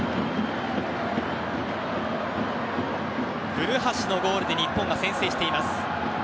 古橋のゴールで日本が先制しています。